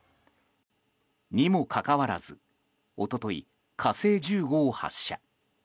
にもかかわらず、一昨日「火星１５」を発射。